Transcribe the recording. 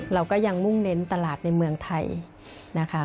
เราก็ยังมุ่งเน้นตลาดในเมืองไทยนะคะ